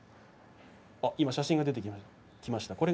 今、写真が出てきました。